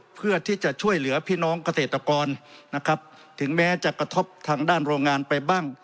เพื่อที่จะช่วยเหลือพี่น้องเกษตรกรนะครับถึงแม้จะกระทบทางด้านโรงงานไปบ้าง